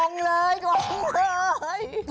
งงเลย